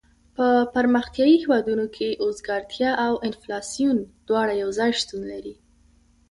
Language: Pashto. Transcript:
په پرمختیایي هېوادونو کې اوزګارتیا او انفلاسیون دواړه یو ځای شتون لري.